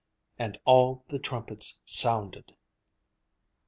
AND ALL THE TRUMPETS SOUNDED!"